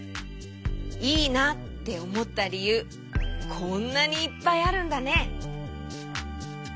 いいなっておもったりゆうこんなにいっぱいあるんだね。